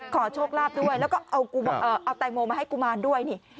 ขอโชคลาภด้วยแล้วก็เอาแตงโมมาให้กุมารด้วยนี่